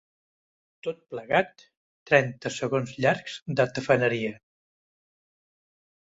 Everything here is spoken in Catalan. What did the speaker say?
Tot plegat, trenta segons llargs de tafaneria.